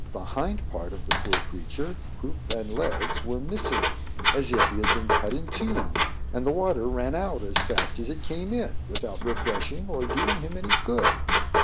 the hind part of the poor creature croup and legs were missing, as if he had been cut in two, and the water ran out as it came in, without refreshing or doing him any good!